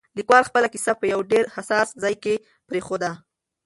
لیکوال خپله کیسه په یو ډېر حساس ځای کې پرېښوده.